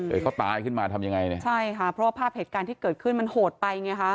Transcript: อือเขาตายขึ้นมาทำยังไงใช่ค่ะเพราะภาพเหตุความเกิดขึ้นมันโหดไปกันเงี้ยคะ